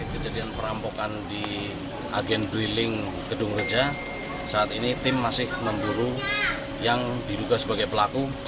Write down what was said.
kejadian perampokan di agen drilling gedung reja saat ini tim masih memburu yang diduga sebagai pelaku